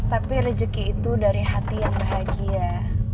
tapi rezeki itu dari hati yang bahagia